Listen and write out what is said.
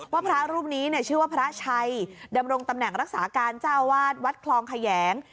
พระรูปนี้ชื่อว่าพระชัยดำรงตำแหน่งรักษาการเจ้าวาดวัดคลองแขยง